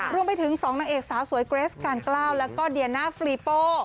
รวมไปถึง๒นางเอกสาวสวยเกรสการกล้าแล้วก็เดียน่าฟรีโป้